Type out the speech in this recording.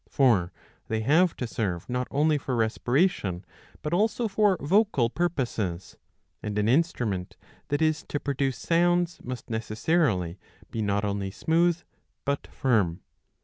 For they have to serve not only for respiration, but also for vocal purposes ; and an instrument that is to produce sounds must necessarily be not only smooth but firm.